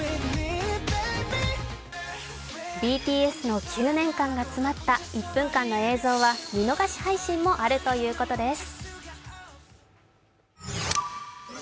ＢＴＳの９年間が詰まった１分間の映像は見逃し配信もあるということです。